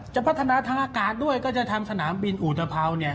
จะพัฒนาทางอากาศด้วยก็จะทำสนามบินอุตพร้าวเนี่ย